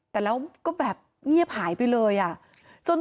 แต่แล้วก็แบบเงียบหายไปเลยอ่ะ